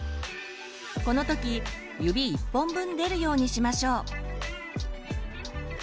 この時指１本分出るようにしましょう。